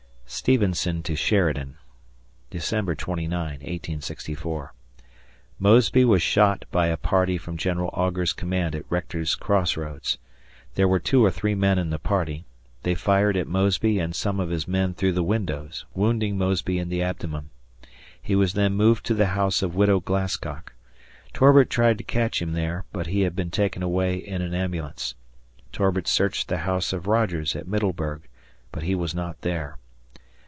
[Stevenson to Sheridan] December 29, 1864. Mosby was shot by a party from General Augur's command at Rector's Crossroads. There were two or three men in the party; they fired at Mosby and some of his men through the windows, wounding Mosby in the abdomen. He was then moved to the house of widow Glasscock. Torbert tried to catch him there, but he had been taken away in an ambulance. Torbert searched the house of Rogers at Middleburg, but he was not there.